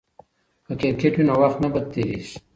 که کرکټ وي نو وخت نه بد تیریږي.